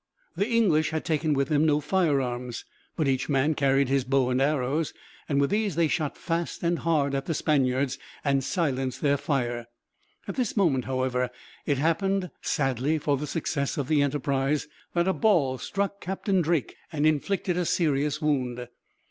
The English had taken with them no firearms, but each man carried his bow and arrows, and with these they shot fast and hard at the Spaniards, and silenced their fire. At this moment, however, it happened, sadly for the success of the enterprise, that a ball struck Captain Drake, and inflicted a serious wound.